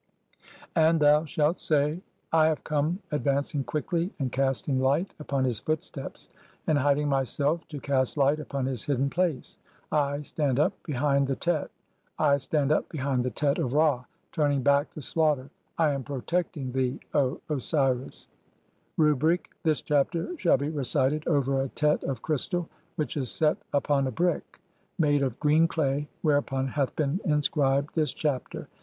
And thou shalt say :— "[I] have come advancing quickly "and casting light upon [his] footsteps, and hiding [myself] to "cast light upon his hidden place (?). I stand up behind the "Tet ; I (40) stand up behind the Tet of Ra turning back the "slaughter. I am protecting thee, O Osiris." THE CHAPTER OF THE FOUR FLAMES. 227 Rubric : this chapter shall be recited over a tet of crystal WHICH IS SET UP UPON A BRICK (41) MADE OF GREEN CLAY WHEREUPON HATH BEEN INSCRIBED THIS CHAPTER.